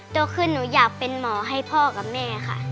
โตขึ้นหนูอยากเป็นหมอให้พ่อกับแม่ค่ะ